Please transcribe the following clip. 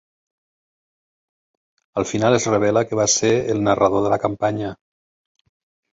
Al final es revela que va ser el narrador de la campanya.